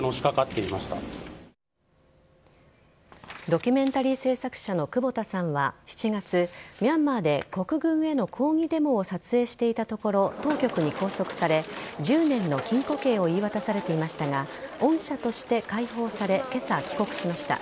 ドキュメンタリー制作者の久保田さんは、７月ミャンマーで国軍への抗議デモを撮影していたところ当局に拘束され１０年の禁錮刑を言い渡されていましたが恩赦として解放され今朝、帰国しました。